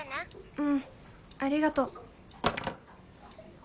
うんありがと。